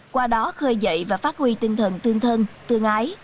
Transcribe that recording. qua đó khơi dậy và phát huy tinh thần tương thân tương ái